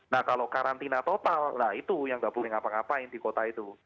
nah kalau karantina total nah itu yang nggak boleh ngapa ngapain di kota itu